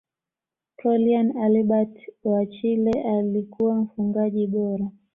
frolian albert wa chile alikuwa mfungaji bora